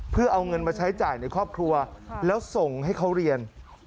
เพื่อเอาเงินมาใช้จ่ายในครอบครัวแล้วส่งให้เขาเรียน